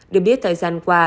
được biết thời gian qua